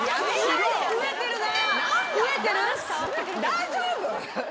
大丈夫？